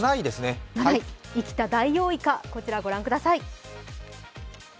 生きたダイオウイカ、こちら御覧ください。